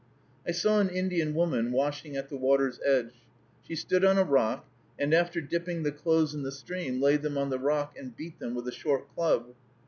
I saw an Indian woman washing at the water's edge. She stood on a rock, and, after dipping the clothes in the stream, laid them on the rock, and beat them with a short club.